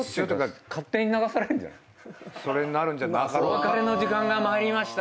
お別れの時間がまいりました。